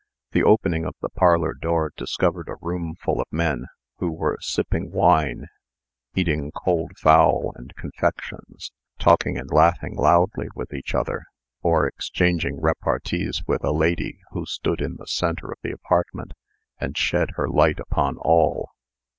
The opening of the parlor door discovered a room full of men, who were sipping wine, eating cold fowl and confections, talking and laughing loudly with each other, or exchanging repartees with a lady who stood in the centre of the apartment and shed her light upon all.